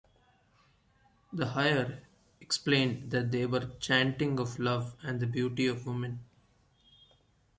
The Heir explained that they were chanting of love and the beauty of women.